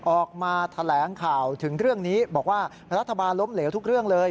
ออกมาแถลงข่าวถึงเรื่องนี้บอกว่ารัฐบาลล้มเหลวทุกเรื่องเลย